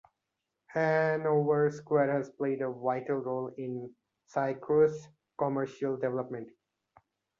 Hanover Square has played a vital role in Syracuse's commercial development.